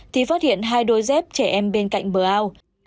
thì phát hiện hai đôi dép trẻ em bên cạnh bờ ao